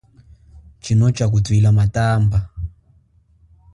Tshino tsha kutwila matamba.